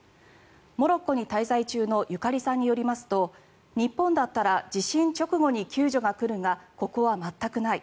モロッコに滞在中のゆかりさんによりますと日本だったら地震直後に救助が来るがここは全くない。